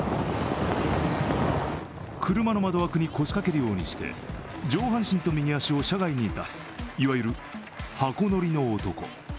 車の窓枠に腰掛けるようにして上半身と右脚を車外に出すいわゆる箱乗りの男。